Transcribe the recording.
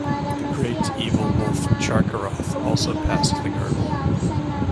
The great, evil Wolf Carcharoth also passed the Girdle.